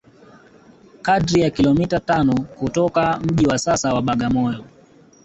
kadri ya kilomita tano kutoka mji wa sasa wa Bagamoyo